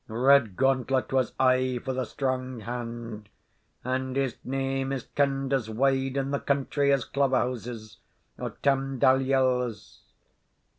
Redgauntlet was aye for the strong hand; and his name is kend as wide in the country as Claverhouse's or Tam Dalyell's.